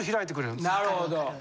なるほど。